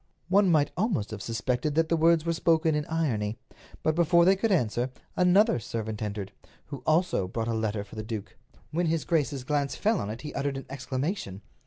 One might almost have suspected that the words were spoken in irony. But before they could answer, another servant entered, who also brought a letter for the duke. When his grace's glance fell on it he uttered an exclamation.